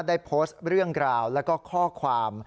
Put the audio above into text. ได้โพสต์เรื่องราวแล้วก็ข้อความ